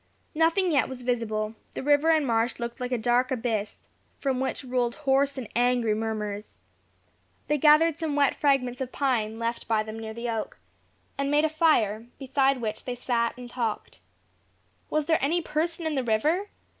Nothing yet was visible. The river and marsh looked like a dark abyss, from which rolled hoarse and angry murmurs. They gathered some wet fragments of pine left by them near the oak, and made a fire, beside which they sat and talked. Was there any person in the river!